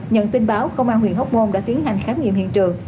nhận tin báo công an huyện hóc môn đã tiến hành khám nghiệm hiện trường